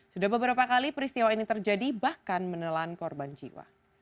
sudah beberapa kali peristiwa ini terjadi bahkan menelan korban jiwa